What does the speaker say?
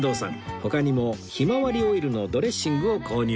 他にもひまわりオイルのドレッシングを購入